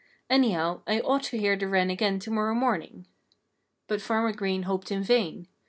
Anyhow, I ought to hear the wren again to morrow morning." But Farmer Green hoped in vain.